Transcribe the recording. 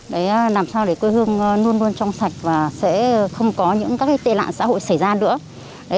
đấy làm sao để quê hương luôn luôn trong sạch và sẽ không có những các tệ nạn xã hội xảy ra nữa